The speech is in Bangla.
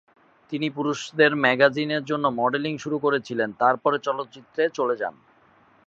তিনি পুরুষদের ম্যাগাজিনের জন্য মডেলিং শুরু করেছিলেন, তারপরে চলচ্চিত্রে চলে যান।